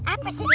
apa sih ini